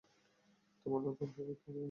তোমার নতুন কোন খবর?